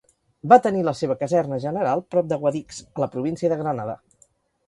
Va tenir la seva caserna general prop de Guadix, a la província de Granada.